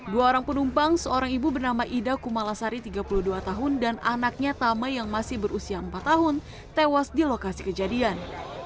dua orang penumpang seorang ibu bernama ida kumalasari tiga puluh dua tahun dan anaknya tama yang masih berusia empat tahun tewas di lokasi kejadian